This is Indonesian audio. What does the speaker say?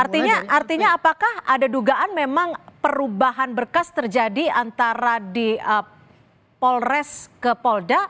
artinya apakah ada dugaan memang perubahan berkas terjadi antara di polres ke polda